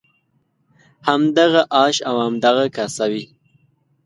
همدغه آش او همدغه کاسه وي.